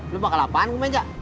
lo bakal apaan kemeja